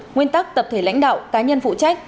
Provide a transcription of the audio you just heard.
nguyên tắc tập thể lãnh đạo cá nhân phụ trách